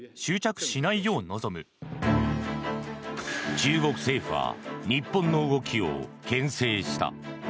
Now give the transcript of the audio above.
中国政府は日本の動きをけん制した。